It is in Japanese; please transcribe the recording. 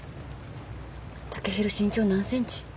剛洋身長何センチ？